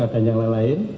dan yang lain lain